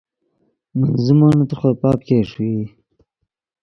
من زیمونے تر خوئے پاپ ګئے ݰوئے